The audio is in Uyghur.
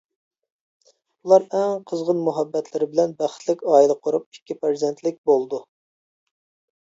ئۇلار ئەڭ قىزغىن مۇھەببەتلىرى بىلەن بەختلىك ئائىلە قۇرۇپ ئىككى پەرزەنتلىك بولىدۇ.